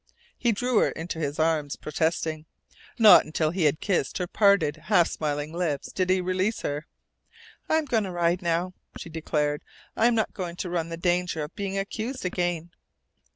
He drew her into his arms, protesting. Not until he had kissed her parted, half smiling lips did he release her. "I'm going to ride now," she declared. "I'm not going to run the danger of being accused again."